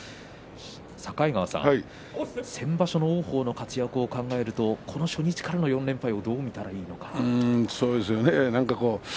境川さん、先場所の王鵬の活躍を考えますとこの初日からの４連敗どう見てますか？